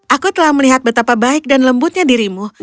aku telah melihat betapa baik dan lembutnya dirimu